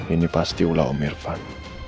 ini pasti ulah om irfan